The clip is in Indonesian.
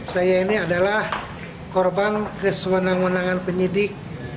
saya ini adalah korban kesemenangan penyidik